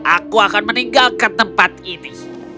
aku akan meninggalkan tempat ini